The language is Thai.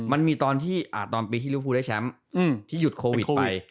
มันมีตอนปีที่ริวภูได้แชมป์ที่หยุดโควิดไป